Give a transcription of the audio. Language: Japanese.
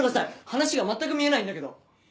話が全く見えないんだけど。